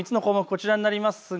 こちらになります。